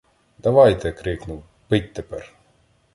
"Давайте, — крикнув, — пить тепер".